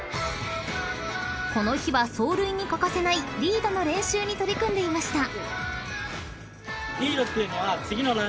［この日は走塁に欠かせないリードの練習に取り組んでいました］